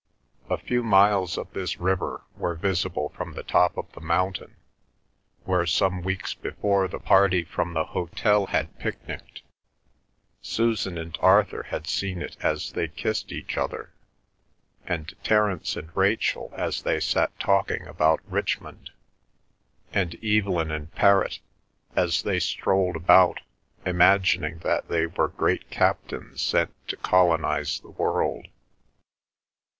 A few miles of this river were visible from the top of the mountain where some weeks before the party from the hotel had picnicked. Susan and Arthur had seen it as they kissed each other, and Terence and Rachel as they sat talking about Richmond, and Evelyn and Perrott as they strolled about, imagining that they were great captains sent to colonise the world.